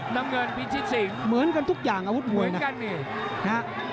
น้ำเงินภิชิษฏสิงเหมือนกันทุกอย่างอาวุธมวยค่ะ